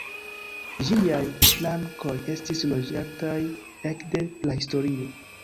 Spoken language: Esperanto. Ĝiaj flankoj estis loĝataj ekde prahistorio.